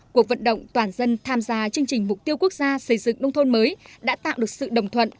cuộc vận động toàn dân tham gia chương trình mục tiêu quốc gia xây dựng nông thôn mới đã tạo được sự đồng thuận